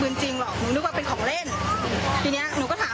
นี่ก็บอกว่าถ้ามีอะไรอ่ะเดี๋ยวพรุ่งนี้มาคุยกับเขา